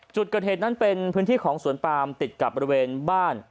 จุดเกิดเหตุนั้นเป็นพื้นที่ของสวนปามติดกับบริเวณบ้าน